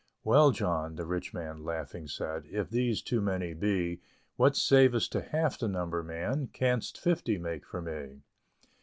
"Well, John," the rich man laughing said, "If these too many be, What sayest to half the number, man? Canst fifty make for me?"